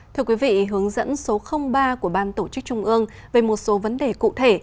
thưa quý vị hướng dẫn số ba của ban tổ chức trung ương về một số vấn đề cụ thể